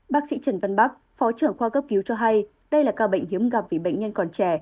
bác sĩ trần văn bắc phó trưởng khoa cấp cứu cho hay đây là ca bệnh hiếm gặp vì bệnh nhân còn trẻ